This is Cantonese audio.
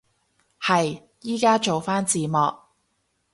係，依家做返字幕